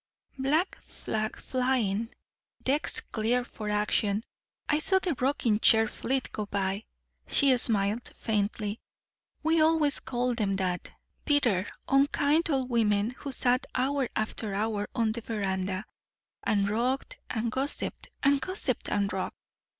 "Black flag flying, decks cleared for action I saw the rocking chair fleet go by." She smiled faintly. "We always called them that. Bitter, unkind old women who sat hour after hour on the veranda, and rocked and gossiped, and gossiped and rocked.